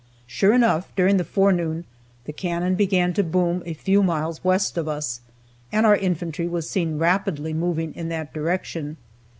Sure enough, during the forenoon, the cannon began to boom a few miles west of us, and our infantry was seen rapidly moving in that direction.